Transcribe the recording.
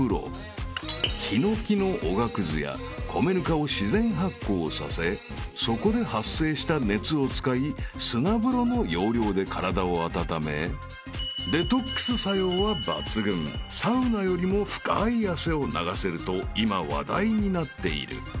［ヒノキのおがくずや米ぬかを自然発酵させそこで発生した熱を使い砂風呂の要領で体を温めデトックス作用は抜群サウナよりも深い汗を流せると今話題になっている］